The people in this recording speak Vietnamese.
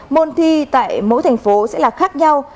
môn thi tại mỗi thành phố sẽ là khác nhau